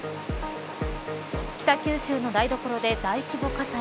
北九州の台所で大規模火災。